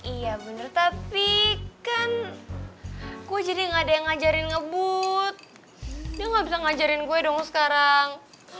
iya bener tapi kan gue jadi gak ada yang ngajarin ngebut dia gak bisa ngajarin gue dong sekarang